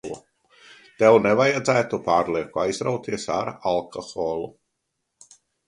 Tev nevajadzētu pārlieku aizrauties ar alkoholu.